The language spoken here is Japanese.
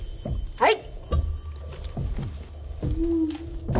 はい！